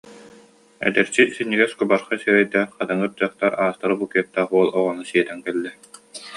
Эдэрчи синньигэс, кубаҕай сирэйдээх хатыҥыр дьахтар астра букеттаах уол оҕону сиэтэн кэллэ